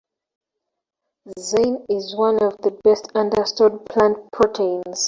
Zein is one of the best understood plant proteins.